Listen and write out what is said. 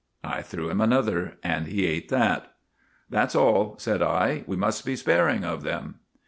I threw him another and he ate that. "' That 's all,' said I. * We must be sparing of them.'